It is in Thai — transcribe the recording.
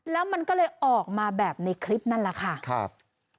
แล้วมันก็เลยออกมาแบบในคลิปนั่นแหละค่ะครับ